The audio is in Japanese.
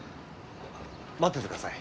待っててください。